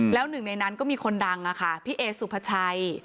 แล้วหนึ่งในนั้นก็มีคนดังค่ะพี่เอสุภาชัย